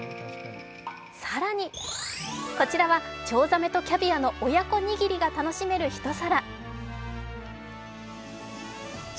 更にこちらはチョウザメとキャビアの親子握りが楽しめる一皿。